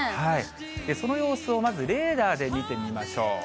その様子をまずレーダーで見てみましょう。